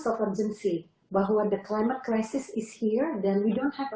oleh masyarakat desa sekarang